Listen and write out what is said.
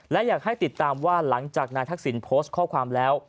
และอยากให้ติดตามว่าหลังจากนายทักษิณโพสต์ข้อความแล้ว